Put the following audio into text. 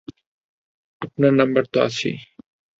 আপনার নাম্বার তো আছেই।